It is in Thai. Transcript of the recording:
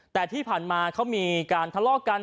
แต่ที่ผ่านมาเขามีการทะเลาะกัน